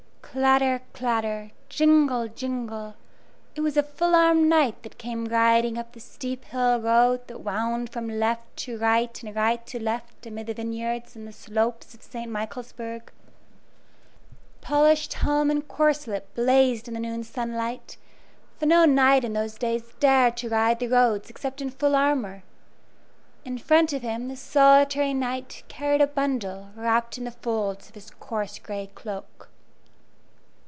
Clatter! clatter! Jingle! jingle! It was a full armed knight that came riding up the steep hill road that wound from left to right and right to left amid the vineyards on the slopes of St. Michaelsburg. Polished helm and corselet blazed in the noon sunlight, for no knight in those days dared to ride the roads except in full armor. In front of him the solitary knight carried a bundle wrapped in the folds of his coarse gray cloak.